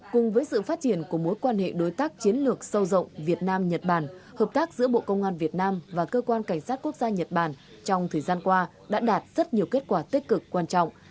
cùng với sự phát triển của mối quan hệ đối tác chiến lược sâu rộng việt nam nhật bản hợp tác giữa bộ công an việt nam và cơ quan cảnh sát quốc gia nhật bản trong thời gian qua đã đạt rất nhiều kết quả tích cực quan trọng